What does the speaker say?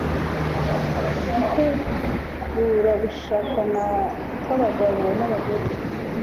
igitegura gushakana kw'abagabo n'abagore